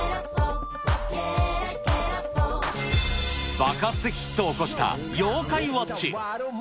爆発的ヒットを起こした妖怪ウォッチ。